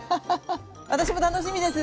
私も楽しみです。